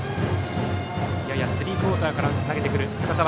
ややスリークオーターから投げてくる高澤。